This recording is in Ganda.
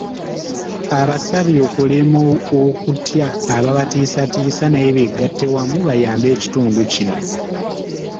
Abasabye okulema okutya ababatiisatiisa naye beegatte wamu bayambe ekitundu kino.